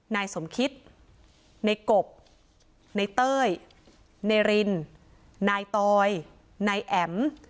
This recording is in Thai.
นายสมคิดนายกบนายเต้ยนายรินนายตอยนายแอ๋ม